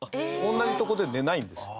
同じ所で寝ないんですよ。